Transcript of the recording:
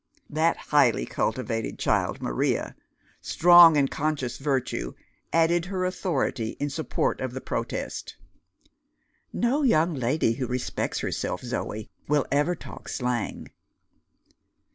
'" That highly cultivated child, Maria, strong in conscious virtue, added her authority in support of the protest. "No young lady who respects herself, Zoe, will ever talk slang."